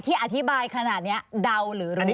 อธิบายขนาดนี้เดาหรือรู้